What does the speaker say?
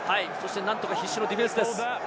なんとか必死のディフェンスです。